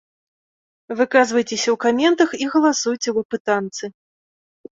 Выказвайцеся ў каментах і галасуйце ў апытанцы.